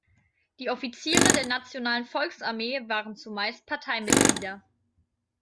Die Offiziere der Nationalen Volksarmee waren zumeist Parteimitglieder.